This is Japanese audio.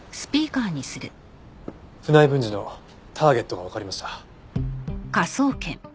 船井文治のターゲットがわかりました。